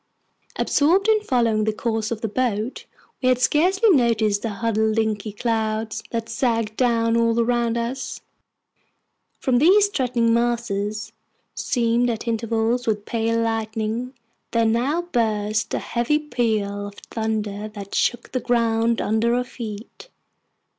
Absorbed in following the course of the boat, we had scarcely noticed the huddled inky clouds that sagged down all around us. From these threatening masses, seamed at intervals with pale lightning, there now burst a heavy peal of thunder that shook the ground under our feet.